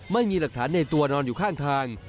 ไม่มีหลักฐานในตัวนอนอยู่ข้างทาง